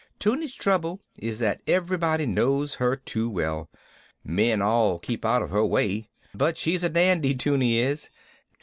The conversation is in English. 'Tunie's trouble is that everybody knows her too well men all keep out of her way. But she's a dandy, 'Tunie is.